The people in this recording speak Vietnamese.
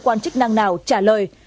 cơ quan chức năng nào trả lời